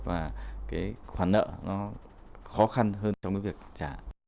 và cái khoản nợ nó khó khăn hơn trong cái việc trả